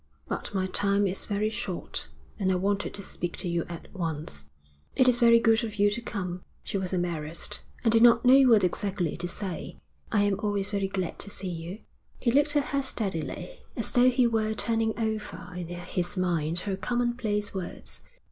'But my time is very short, and I wanted to speak to you at once.' 'It is very good of you to come.' She was embarrassed, and did not know what exactly to say. 'I am always very glad to see you.' He looked at her steadily, as though he were turning over in his mind her commonplace words.